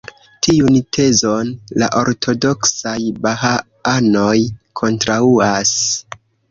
Tiun tezon la ortodoksaj Bahaanoj kontraŭas.